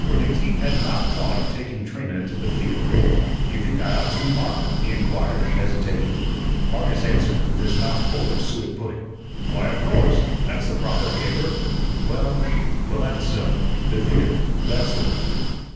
McTeague had not thought of taking Trina to the theatre. "You think I ought to, Mark?" he inquired, hesitating. Marcus answered, with his mouth full of suet pudding: "Why, of course. That's the proper caper." "Well well, that's so. The theatre that's the word."